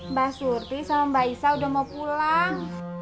mbak surti sama mbak isa udah mau pulang